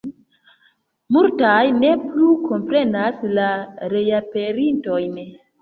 Multaj ne plu komprenas la reaperintojn.